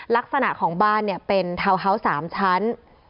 ลักษณะของบ้านเป็นทาวน์ฮาวส์๓ชั้น